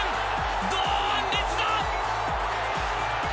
堂安律だ。